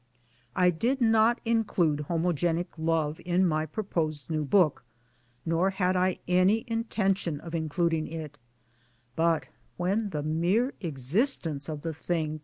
I did not include Homogenic Love in my pro posed new book, nor had I any intention of including it ; but when the mere existence of the thing!